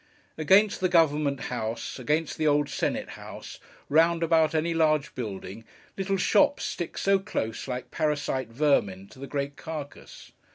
Against the Government House, against the old Senate House, round about any large building, little shops stick so close, like parasite vermin to the great carcase.